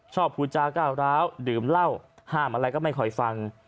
พูดจาก้าวร้าวดื่มเหล้าห้ามอะไรก็ไม่ค่อยฟัง